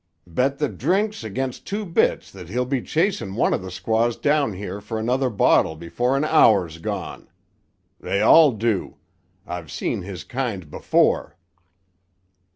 Bet the drinks against two bits that he'll be chasin' one o' the squaws down here for another bottle before an hour's gone. They all do. I've seen his kind before."